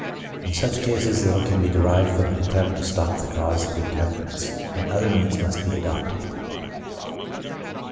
In such cases little can be derived from an attempt to stop the cause of intemper ance, and other means must be adopted.